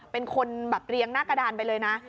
เป็นคนแบบเรียงหน้ากระดานไปเลยนะ